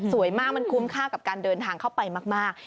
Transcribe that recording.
สวยมากมันคุ้มค่ากับการเดินทางเข้าไปมาก